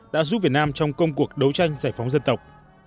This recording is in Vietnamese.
đã giúp việt nam trong công cuộc đấu tranh giải phóng dân tộc